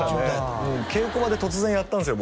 稽古場で突然やったんですよ